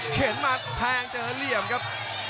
มาแทงเจอเหลี่ยมครับ